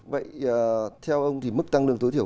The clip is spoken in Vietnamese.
vậy theo ông thì mức tăng lương tối thiểu